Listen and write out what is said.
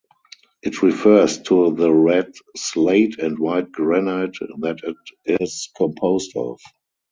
It refers to the red slate and white granite that it is composed of.